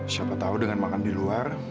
siapa tahu dengan makan di luar